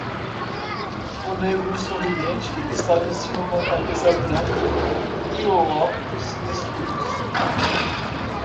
O negro sorridente está vestindo uma camisa branca e óculos escuros.